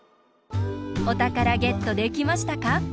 おたからゲットできましたか？